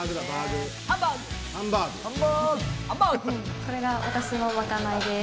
これが私のまかないです。